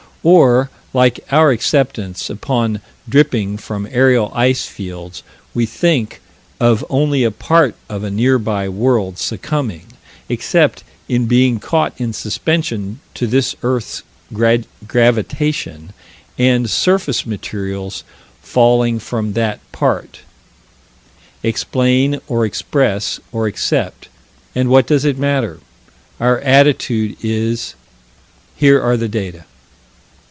Or, like our acceptance upon dripping from aerial ice fields, we think of only a part of a nearby world succumbing, except in being caught in suspension, to this earth's gravitation, and surface materials falling from that part Explain or express or accept, and what does it matter? Our attitude is: Here are the data.